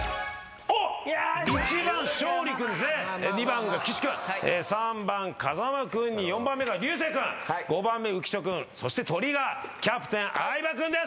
２番が岸君３番風間君に４番目が流星君５番目浮所君そしてトリがキャプテン相葉君です！